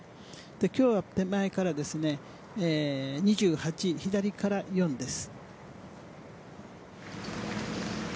今日は手前から２８左から４です。